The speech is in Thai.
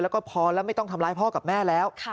แล้วก็พอแล้วไม่ต้องทำร้ายพ่อกับแม่แล้ว